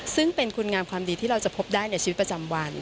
ซึ่งเป็นคุณงามความดีที่เราจะพบได้ในชีวิตประจำวัน